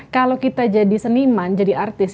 kalau kita jadi seniman jadi artis